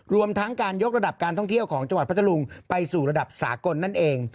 รวมทั้งการยกระดับการท่องเที่ยวของจังหวัดพัทธรุงไปสู่ระดับสากลนั่นเอง